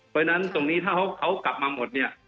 เพราะฉะนั้นตรงนี้ถ้าเขากลับมาหมดเนี่ย